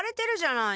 ない！